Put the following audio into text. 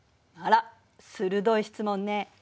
あら鋭い質問ね。